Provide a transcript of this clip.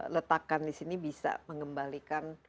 letakkan disini bisa mengembalikan